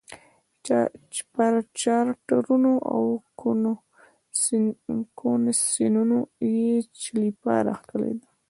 پر چارټرونو او کنونسینونو یې چلیپا راښکلې ده.